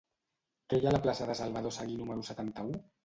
Què hi ha a la plaça de Salvador Seguí número setanta-u?